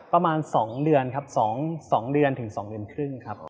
ประมาณ๒เดือนครับ๒เดือนถึง๒เดือนครึ่งครับ